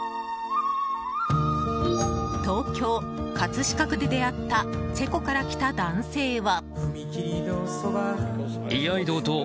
東京・葛飾区で出会ったチェコから来た男性は。